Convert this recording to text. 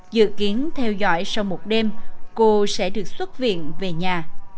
dự kiến theo dõi sau một đêm cô sẽ được xuất viện về nhà